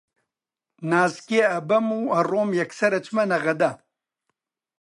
نازکێ ئەبەم و ئەڕۆم یەکسەر ئەچمە نەغەدە